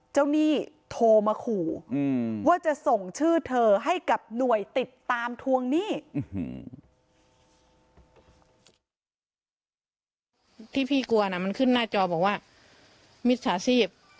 หนี้โทรมาขู่ว่าจะส่งชื่อเธอให้กับหน่วยติดตามทวงหนี้